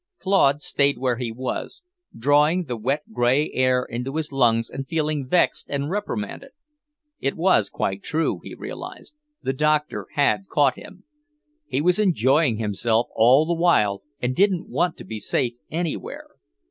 Claude stayed where he was, drawing the wet grey air into his lungs and feeling vexed and reprimanded. It was quite true, he realized; the doctor had caught him. He was enjoying himself all the while and didn't want to be safe anywhere.